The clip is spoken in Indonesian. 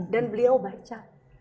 dan beliau baca